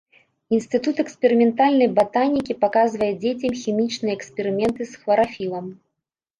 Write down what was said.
Інстытут эксперыментальнай батанікі паказвае дзецям хімічныя эксперыменты з хларафілам.